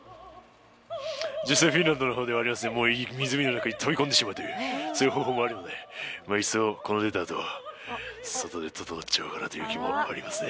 実際、フィンランドの方ではありますよ、湖の中に飛び込んでしまう、そういう方法もあるのでいっそ、ここから出たあと、そこでととのっちゃおうかという気もありますね。